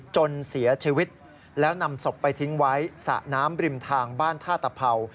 จนเสียชีวิตแล้วนำศพไปทิ้งไว้สระน้ำริมทางบ้านท่าตะเผา